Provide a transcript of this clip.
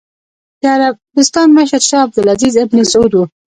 د عربستان مشر شاه عبد العزېز ابن سعود و.